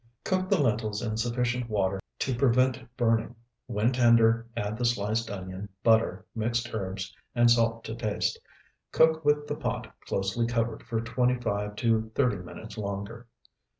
Cook the lentils in sufficient water to prevent burning. When tender, add the sliced onion, butter, mixed herbs, and salt to taste. Cook with the pot closely covered for twenty five to thirty minutes longer.